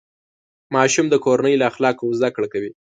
ماشوم د کورنۍ له اخلاقو زده کړه کوي.